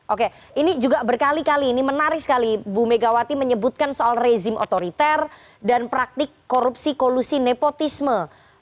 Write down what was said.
oke ini juga berkali kali ini menarik sekali bu megawati menyebutkan soal rezim otoriter dan praktik korupsi kolusi nepotisme